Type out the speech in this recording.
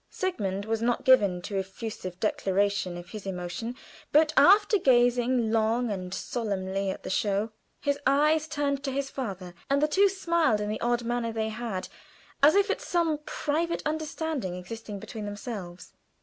Sigmund was not given to effusive declaration of his emotion, but after gazing long and solemnly at the show, his eyes turned to his father, and the two smiled in the odd manner they had, as if at some private understanding existing between themselves.